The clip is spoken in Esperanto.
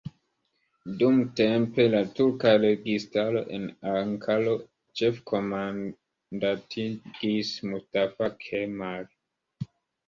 Dumtempe la turka registaro en Ankaro ĉef-komandantigis Mustafa Kemal.